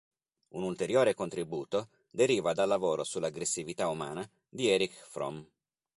Un ulteriore contributo deriva dal lavoro sull'aggressività umana di Erich Fromm.